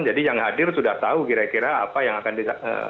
jadi yang hadir sudah tahu kira kira apa yang akan di